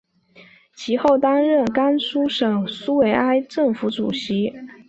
其后担任甘肃省苏维埃政府主席。